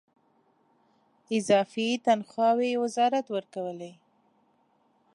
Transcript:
اضافي تنخواوې وزارت ورکولې.